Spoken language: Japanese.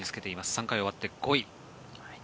３回終わって５位。